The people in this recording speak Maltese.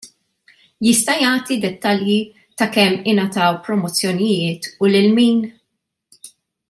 Jista' jagħti dettalji ta' kemm ingħataw promozzjonijiet u lil min?